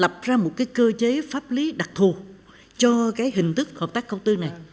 có một cái cơ chế pháp lý đặc thù cho cái hình thức hợp tác công tư này